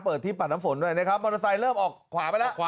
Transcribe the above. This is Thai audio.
ที่ปัดน้ำฝนด้วยนะครับมอเตอร์ไซค์เริ่มออกขวาไปแล้วขวา